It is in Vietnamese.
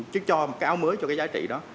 chứ cho một cái mới cho cái giá trị đó